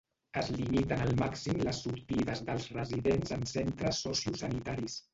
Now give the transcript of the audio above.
Es limiten al màxim les sortides dels residents en centres sociosanitaris.